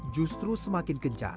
justru semakin kencar